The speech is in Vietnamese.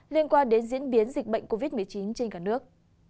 liên quan đến diễn biến dịch bệnh covid một mươi chín trên cả nước